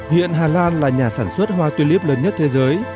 hiện hà lan là nhà sản xuất hoa tuyếp lớn nhất thế giới